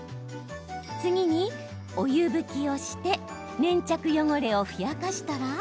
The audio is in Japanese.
次に、お湯拭きをして粘着汚れをふやかしたら。